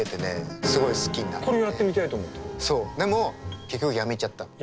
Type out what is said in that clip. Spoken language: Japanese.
そうでも結局やめちゃったの。